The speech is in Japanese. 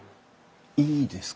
いいですか？